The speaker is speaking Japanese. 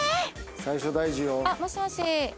最初大事よ。